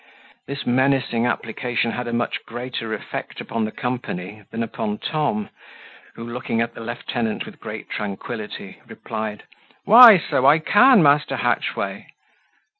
This menacing application had a much greater effect upon the company than upon Tom, who, looking at the lieutenant with great tranquility, replied, "Why so I can, Master Hatchway."